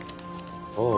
ああ。